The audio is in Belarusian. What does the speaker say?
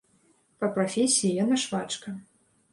Па прафесіі яна швачка.